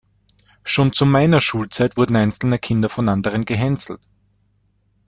Schon zu meiner Schulzeit wurden einzelne Kinder von anderen gehänselt.